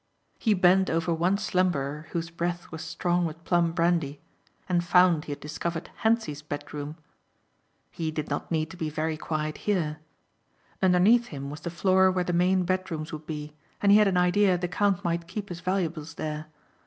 He bent over one slumberer whose breath was strong with plum brandy and found he had discovered Hentzi's bedroom. He, did not need to be very quiet here. Underneath him was the floor where the main bedrooms would be and he had an idea the count might keep his valuables there.